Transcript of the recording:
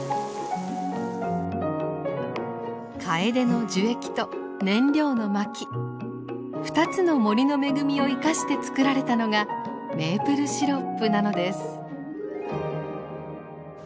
カエデの樹液と燃料の薪２つの森の恵みを生かして作られたのがメープルシロップなのです。